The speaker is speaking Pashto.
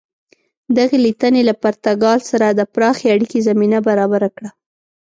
دغې لیدنې له پرتګال سره د پراخې اړیکې زمینه برابره کړه.